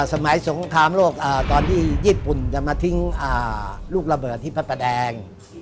สงครามโลกตอนที่ญี่ปุ่นจะมาทิ้งลูกระเบิดที่พระประแดง